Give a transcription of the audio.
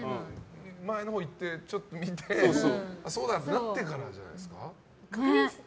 前のほうに行ってちょっと見てそうだ！ってなってからじゃないですか。